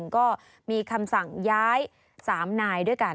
ก็มีคำสั่งย้าย๓นายด้วยกัน